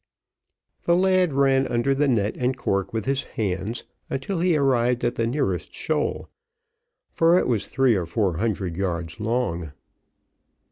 The lad ran under the net and cork with his hands until he arrived at the nearest shoal, for it was three or four hundred yards long.